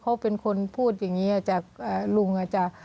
เขาเป็นคนพูดอย่างนี้จากลุงอ่ะจ๊ะ